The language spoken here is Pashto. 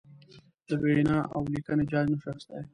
د وینا اولیکنې جاج نشو اخستی.